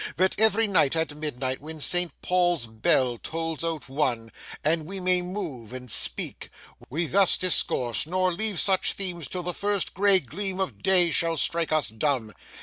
That every night at midnight, when St. Paul's bell tolls out one, and we may move and speak, we thus discourse, nor leave such themes till the first gray gleam of day shall strike us dumb.